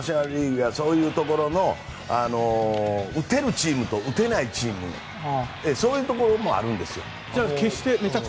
やそういうところの打てるチームと打てないチームそういうところもあるんですよ。